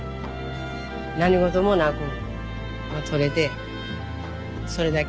何事もなく取れてそれだけを祈ります。